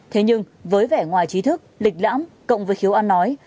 thế nhưng với vẻ ngoài trí thức lịch lãm cộng với khiếu an nói